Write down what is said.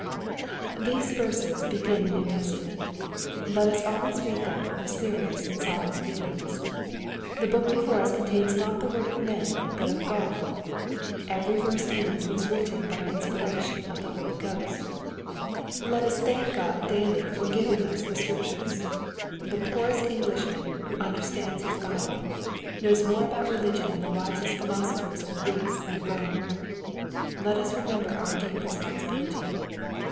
These verses begin the New Testament. Let us always read them with serious and solemn feelings. The book before us contains not the word of men, but of God. Every verse in it was written by inspiration of the Holy Ghost. 2 SXPOSITOBT THOUGHTS. Let us thank God daily for giving us the Scriptures. The poorest Englishman who understands his Bible, knows more about religion than the wisest philosophers of Greece and Borne. Let us remember our deep responsibility.